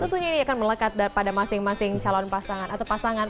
tentunya ini akan melekat pada masing masing calon pasangan atau pasangan pasangan ini